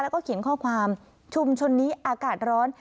แล้วก็เขียนข้อความชุมชนนี้อากาศร้อน